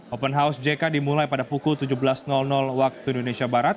open house jk dimulai pada pukul tujuh belas waktu indonesia barat